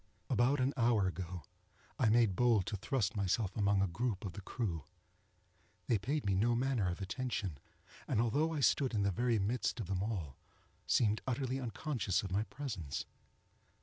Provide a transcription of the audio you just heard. About an hour ago, I made bold to thrust myself among a group of the crew. They paid me no manner of attention, and, although I stood in the very midst of them all, seemed utterly unconscious of my presence.